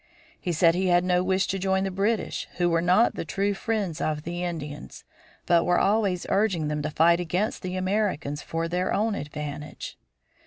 He said he had no wish to join the British, who were not the true friends of the Indians, but were always urging them to fight against the Americans for their own advantage.